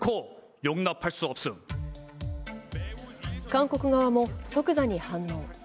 韓国側も即座に反応。